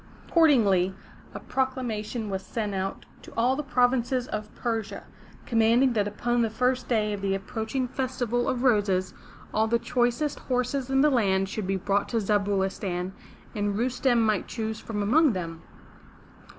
Accord ingly, a proclamation was sent out to all the provinces of Persia, commanding that upon the first day of the approaching Festival 438 FROM THE TOWER WINDOW M(kU0 M15KA PETERSHAM of Roses, all the choicest horses in the land should be brought to Zabulistan that Rustem might choose from among them.